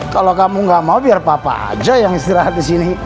kalau kamu gak mau biar papa aja yang istirahat di sini